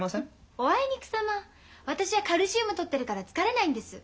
おあいにくさま私はカルシウムとってるから疲れないんです。